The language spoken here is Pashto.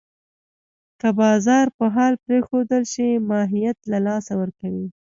که بازار په حال پرېښودل شي، ماهیت له لاسه ورکوي.